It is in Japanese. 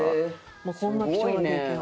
もうこんな貴重な経験を。